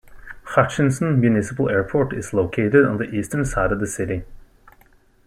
Hutchinson Municipal Airport is located on the eastern side of the city.